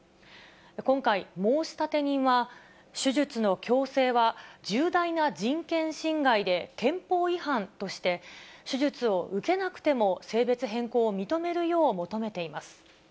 今回、申立人は、手術の強制は重大な人権侵害で憲法違反として、手術を受けなくても、性別変更を認めるよう求めています。